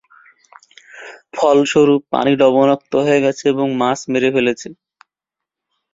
ফলস্বরূপ পানি লবণাক্ত হয়ে গেছে এবং মাছ মেরে ফেলেছে।